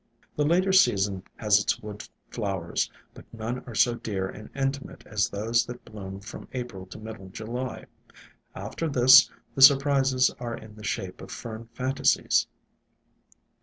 The later season has its wood flowers, but none are so dear and intimate as those that bloom from April to middle July. After this, the surprises are in the shape of Fern fantasies.